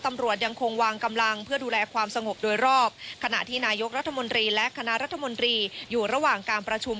ตำรวจยังคงวางกำลังเพื่อดูแลความสงบโดยรอบขณะที่นายกรัฐมนตรีและคณะรัฐมนตรีอยู่ระหว่างการประชุม